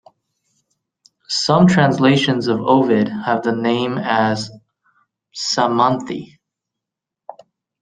Some translations of Ovid have the name as Psamanthe.